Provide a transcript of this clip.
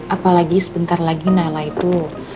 apalagi sebentar lagi nala itu